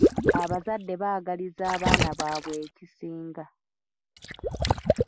Abazadde baagaliza abaana baabwe ekisinga.